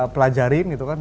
pelajarin gitu kan